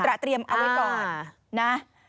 ระเตรียมเอาไว้ก่อนนะ